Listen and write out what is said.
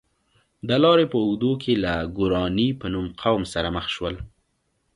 د لارې په اوږدو کې له ګوراني په نوم قوم سره مخ شول.